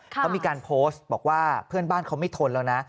เขามีการโพสต์บอกว่าเพื่อนบ้านเขาไม่ทนแล้วนะ